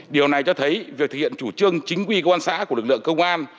điều này cho thấy việc thực hiện chủ trương chính quy công an xã của lực lượng công an